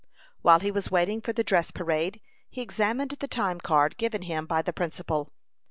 While he was waiting for the dress parade, he examined the time card given him by the principal.